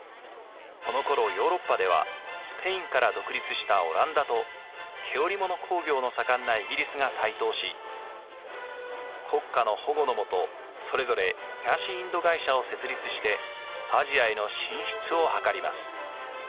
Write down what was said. このころヨーロッパではスペインから独立したオランダと毛織物工業の盛んなイギリスが台頭し国家の保護のもとそれぞれ東インド会社を設立してアジアへの進出を図ります。